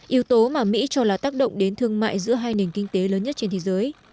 yếu tố mà mỹ cho là tác động đến thương mại giữa hai nền kinh tế lớn nhất trên thế giới